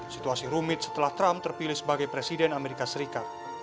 situasi rumit setelah trump terpilih sebagai presiden amerika serikat